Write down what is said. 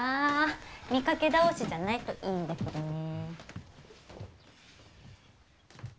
見かけ倒しじゃないといいんだけどね。